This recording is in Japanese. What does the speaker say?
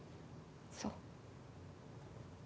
そう。